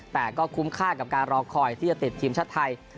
แต่ก็คุ้มค่ากับการรอคอยที่จะติดทีมชาติไทย